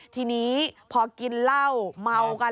ทีนี้พอกินเหล้าเมากัน